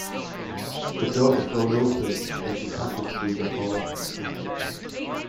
The doors are thrown open, and she passes through the hall.